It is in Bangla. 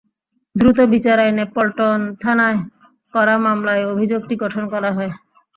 দ্রুত বিচার আইনে পল্টন থানায় করা মামলায় অভিযোগটি গঠন করা হয়।